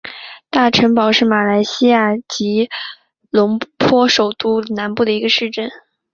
大城堡是马来西亚吉隆坡首都南部的一个市镇。